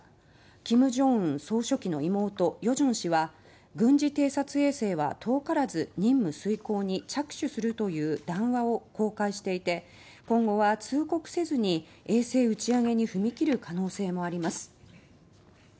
金正恩総書記の妹・与正氏は軍事偵察衛星は遠からず任務遂行に着手するという談話を公開していて今後は通告せずに衛星打ち上げに踏み切る可能性もあります。